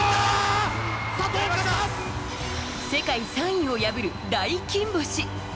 世界３位を破る大金星！